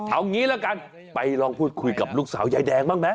เอางี้ละกันไปลองพูดคุยกับลูกสาวยายแดงบ้างไหม